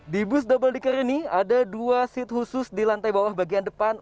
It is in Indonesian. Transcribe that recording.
di bus double decker ini ada dua seat khusus di lantai bawah bagian depan